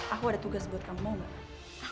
aku ada tugas buat kamu gak